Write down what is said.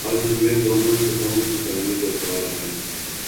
آج ہمیںدونوں سطحوں کی دانش درکار ہے